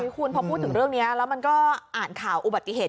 คุณพอพูดถึงเรื่องนี้แล้วมันก็อ่านข่าวอุบัติเหตุ